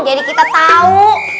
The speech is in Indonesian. jadi kita tau